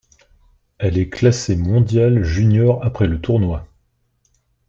Elle est classée mondiale junior après le tournoi.